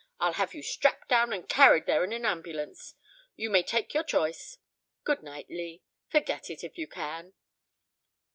I'll have you strapped down and carried there in an ambulance. You may take your choice. Good night, Lee. Forget it, if you can."